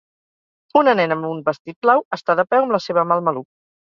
Una nena amb un vestit blau està de peu amb la seva mà al maluc.